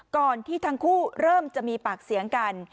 ก่อนที่ทั้งคู่เริ่มจะมีปากเสียงกัน